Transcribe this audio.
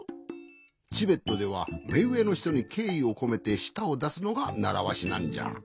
チベットではめうえのひとにけいいをこめてしたをだすのがならわしなんじゃ。